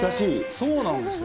そうなんですよ。